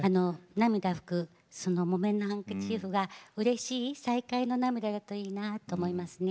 涙拭く木綿のハンカチーフがうれしい再会の涙だといいかなと思います。